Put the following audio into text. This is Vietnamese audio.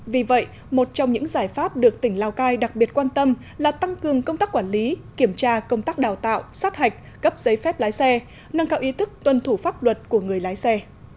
vì vậy một trong những giải pháp được tỉnh lào cai đặc biệt quan tâm là tăng cường công tác quản lý kiểm tra công tác đào tạo sát hạch cấp giấy phép lái xe nâng cao ý thức tuân thủ pháp luật của người lái xe